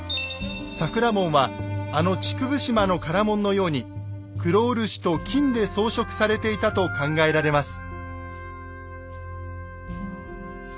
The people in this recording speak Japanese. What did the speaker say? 桜門はあの竹生島の唐門のように黒漆と金で装飾されていたと考えられます。